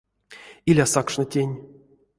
Иля сакшно тень.